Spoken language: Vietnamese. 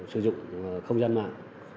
sử dụng không gian mạng